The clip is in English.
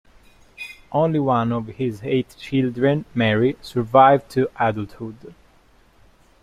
Only one of his eight children, Mary, survived to adulthood.